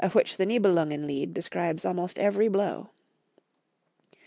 45 which the Nihelungen lied describes almost every blow.